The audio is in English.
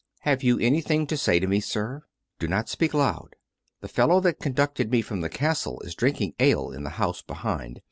" Have you anything to say to me, sir? Do not speak loud. The fellow that conducted me from the castle is drinking ale in the house behind.